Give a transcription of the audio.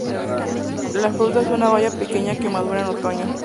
La fruta es una baya pequeña que madura en otoño.